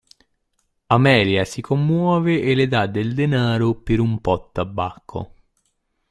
Amelia si commuove e le dà del denaro per un po' tabacco.